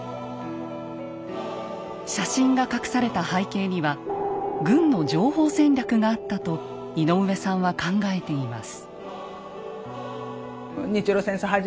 写真が隠された背景には軍の情報戦略があったと井上さんは考えています。